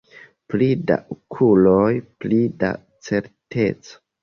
Pli da okuloj, pli da certeco.